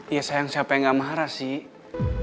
ya sayang siapa yang gak marah sih